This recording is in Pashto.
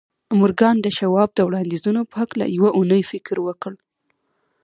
مورګان د شواب د وړاندیزونو په هکله یوه اونۍ فکر وکړ